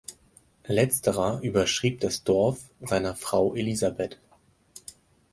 Letzterer überschrieb das Dorf seiner Frau Elisabeth.